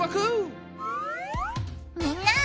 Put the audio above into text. みんな！